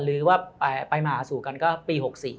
หรือว่าไปมาหาสู่กันก็ปี๖๔